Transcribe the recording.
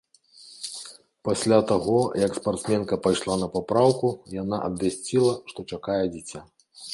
Пасля таго, як спартсменка пайшла на папраўку, яна абвясціла, што чакае дзіця.